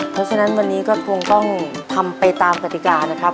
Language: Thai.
เพราะฉะนั้นวันนี้ก็คงต้องทำไปตามกติกานะครับ